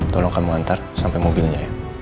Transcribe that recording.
tolong kamu antar sampai mobilnya ya